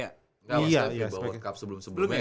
gak maksudnya vibabowl cup sebelum sebelumnya gitu